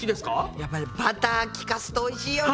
やっぱりバター利かすとおいしいよね。